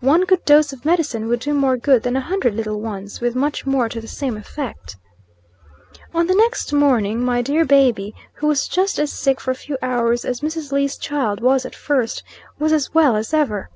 One good dose of medicine would do more good than a hundred little ones; with much more to the same effect. On the next morning, my dear baby, who was just as sick for a few hours as Mrs. Lee's child was at first, was as well as ever.